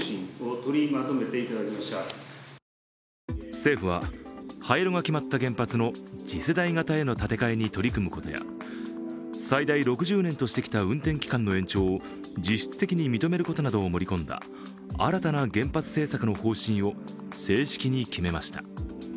政府は廃炉が決まった原発の次世代型への建て替えに取り組むことや最大６０年としてきた運転期間の延長を実質的に認めることなどを盛り込んだ新たな原発政策の方針を正式に決めました。